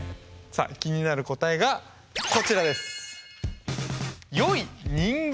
さあ気になる答えがこちらです。